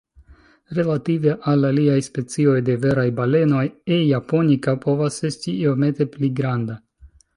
Relative al aliaj specioj de veraj balenoj, "E. japonica" povas esti iomete pli granda.